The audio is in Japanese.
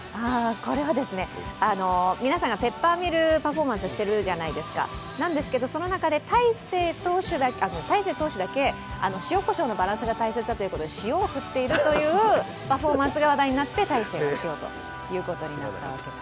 これは皆さんがペッパーミルパフォーマンスをしているじゃないですか、なんですけどその中で大勢投手だけ塩こしょうのバランスが大切だということで塩を振っているという、パフォーマンスが話題になって大勢が塩ということになったわけです。